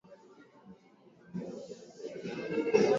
Utambuzi wa mambo mapya na uhamasishaji wa mabadiliko